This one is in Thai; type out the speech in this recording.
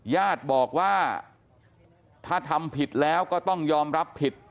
ญาติบอกว่าถ้าทำผิดแล้วก็ต้องยอมรับผิด